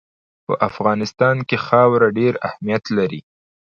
په افغانستان کې خاوره ډېر اهمیت لري.